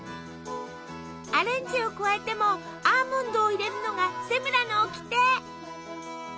アレンジを加えてもアーモンドを入れるのがセムラのおきて！